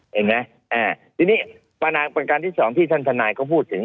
เห็นไหมทีนี้ประการที่สองที่ท่านทนายก็พูดถึง